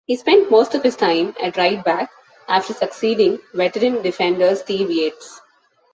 He spent most of his time at right-back, after succeeding veteran defender Steve Yates.